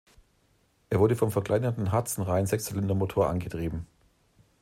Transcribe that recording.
Er wurde vom verkleinerten Hudson-Reihensechszylindermotor angetrieben.